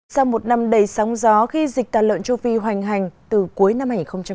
sau một năm đầy sóng gió khi dịch tà lợn châu phi hoành hành từ cuối năm hai nghìn một mươi tám